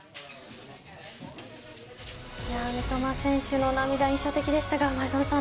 三笘選手の涙、印象的でしたが前園さん